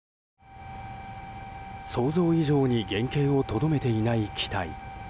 想像以上に原形をとどめていない機体。